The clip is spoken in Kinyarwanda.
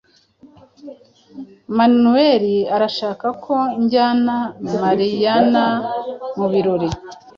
Manweri arashaka ko njyana Mariyana mubirori.